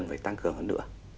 để tăng cường hơn nữa